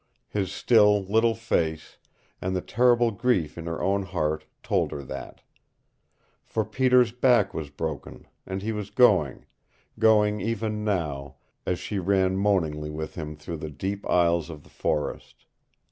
His still little face and the terrible grief in her own heart told her that. For Peter's back was broken, and he was going going even now as she ran moaningly with him through the deep aisles of the forest.